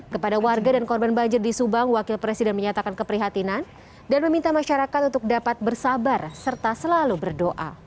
kepada warga dan korban banjir di subang wakil presiden menyatakan keprihatinan dan meminta masyarakat untuk dapat bersabar serta selalu berdoa